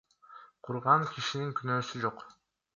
Курган кишинин күнөөсү жок.